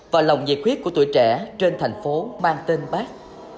và lòng nhiệt huyết của tuổi trẻ trên thành phố mang tên bác